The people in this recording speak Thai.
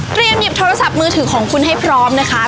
หยิบโทรศัพท์มือถือของคุณให้พร้อมนะคะ